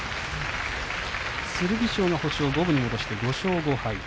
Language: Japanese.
剣翔が星を五分に戻して５勝５敗。